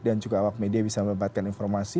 dan juga awak media bisa membatkan informasi